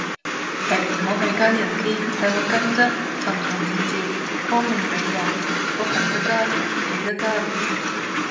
係，我係奸人堅，但我奸得堂堂正正，光明磊落，我行得奸，企得奸!